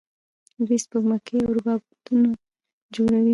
دوی سپوږمکۍ او روباټونه جوړوي.